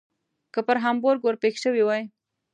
که پر هامبورګ ور پیښ شوي وای.